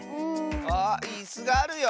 あっいすがあるよ！